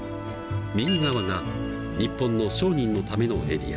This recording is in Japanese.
右側が日本の商人のためのエリア。